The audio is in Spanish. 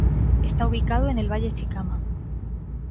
Está ubicado en el Valle Chicama.